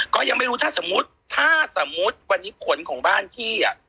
ก็ยังไม่รู้ถ้าสมมุติถ้าสมมุติวันนี้ผลของบ้านพี่อ่ะ